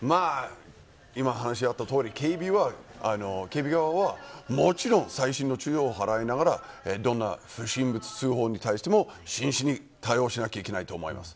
今お話があったとおり警備側はもちろん細心の注意を払いながらどんな不審物、通報に対しても真摯に対応しなきゃいけないと思います。